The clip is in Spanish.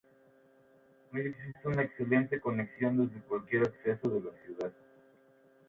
Hoy existe una excelente conexión desde cualquier acceso a la ciudad.